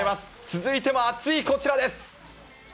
続いても、あついこちらです。